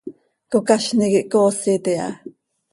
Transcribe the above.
Cocazni quih coosit iha.